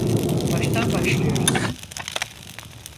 Baştan başlıyoruz.